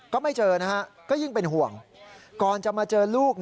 ก็ไม่เจอนะฮะก็ยิ่งเป็นห่วงก่อนจะมาเจอลูก